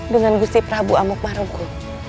dengan gusti prabu amuk marungku